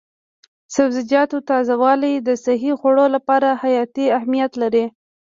د سبزیجاتو تازه والي د صحي خوړو لپاره حیاتي اهمیت لري.